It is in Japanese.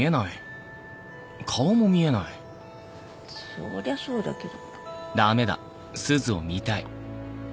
そりゃそうだけど。